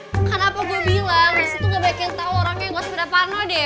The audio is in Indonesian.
karena apa gue bilang disitu gak banyak yang tau orangnya yang ngasih pada parno deh